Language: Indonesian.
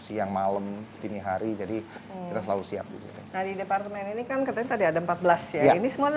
siang malam dini hari jadi selalu siap disini tadi departemen ini kan ketemu ada empat belas ya ini semua